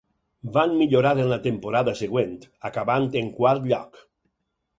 Van millorar en la temporada següent, acabant en quart lloc.